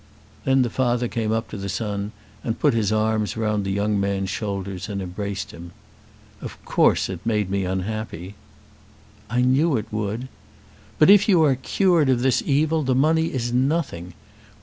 Then the father came up to the son and put his arms round the young man's shoulders and embraced him. "Of course it made me unhappy." "I knew it would." "But if you are cured of this evil, the money is nothing.